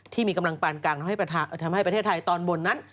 ที่มีกำลังปานกลางทำให้ประเทศไทยตอนบนนั้น